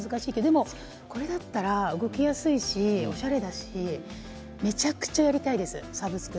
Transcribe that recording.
でもこれだったら動きやすいしおしゃれだしめちゃくちゃやりたいですサブスク。